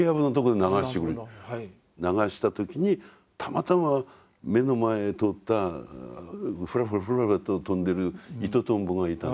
流した時にたまたま目の前を通ったフラフラフラフラと飛んでるイトトンボがいたんですね。